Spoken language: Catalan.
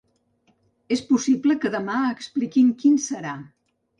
És possible que demà expliquin quin serà.